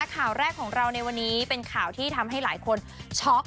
ข่าวแรกของเราในวันนี้เป็นข่าวที่ทำให้หลายคนช็อก